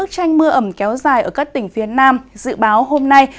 các mưa ẩm kéo dài ở các tỉnh việt nam dự báo hôm nay